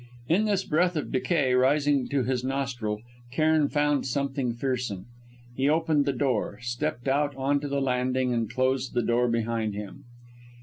In this breath of decay rising to his nostril, Cairn found something fearsome. He opened the door, stepped out on to the landing, and closed the door behind him.